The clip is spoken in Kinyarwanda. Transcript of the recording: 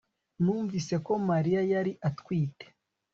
Numvise ko Mariya yari atwite